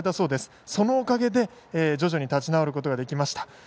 そのおかげで徐々に立ち直ることができました。